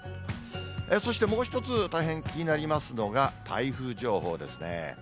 そしてもう一つ、大変気になりますのが、台風情報ですね。